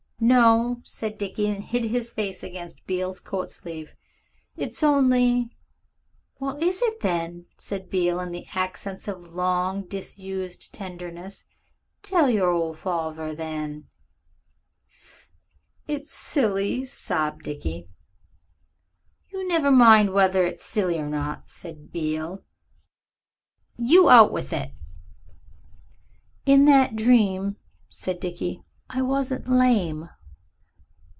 "No," said Dickie, and hid his face against Beale's coat sleeve. "It's only " "What is it, then?" said Beale, in the accents of long disused tenderness; "tell your old farver, then " "It's silly," sobbed Dickie. "Never you mind whether it's silly or not," said Beale. "You out with it." "In that dream," said Dickie, "I wasn't lame."